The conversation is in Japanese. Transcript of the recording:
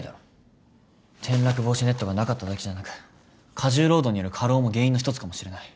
転落防止ネットがなかっただけじゃなく過重労働による過労も原因の一つかもしれない。